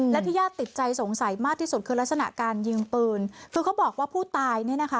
และที่ญาติติดใจสงสัยมากที่สุดคือลักษณะการยิงปืนคือเขาบอกว่าผู้ตายเนี่ยนะคะ